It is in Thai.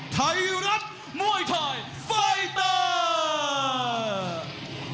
ไทยรัฐมวยไทยไฟเตอร์